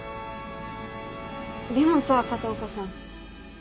でもさ片岡さん。